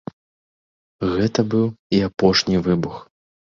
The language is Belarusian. Гэта быў і апошні выбух.